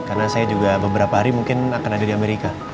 karena saya juga beberapa hari mungkin akan ada di amerika